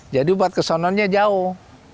jadi buat kesononnya jauh